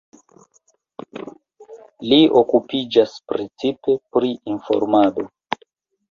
Li okupiĝas precipe pri informado.